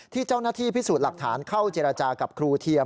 ที่เจ้าหน้าที่พิสูจน์หลักฐานเข้าเจรจากับครูเทียม